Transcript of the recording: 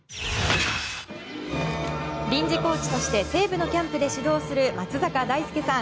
臨時コーチとして西武のキャンプで指導する松坂大輔さん